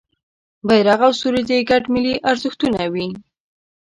بېرغ او سرود یې ګډ ملي ارزښتونه وي.